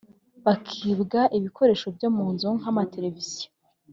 bakibwa ibikoresho byo mu nzu nk’amateleviziyo